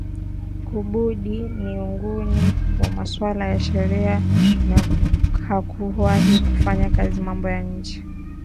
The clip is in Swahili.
Kabudi ni nguli wa masuala ya sheria na hakuwahi kufanya kazi mambo ya nje